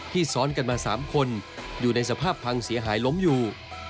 ซ้อนกันมา๓คนอยู่ในสภาพพังเสียหายล้มอยู่